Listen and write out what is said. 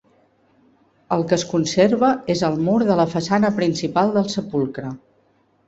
El que es conserva és el mur de la façana principal del sepulcre.